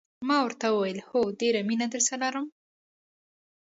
ما ورته وویل: هو، ډېره مینه درسره لرم.